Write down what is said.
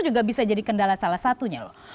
juga bisa jadi kendala salah satunya loh